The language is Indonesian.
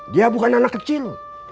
dia bukan anak kecil